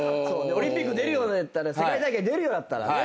オリンピック出るようになったら世界大会出るようだったらね。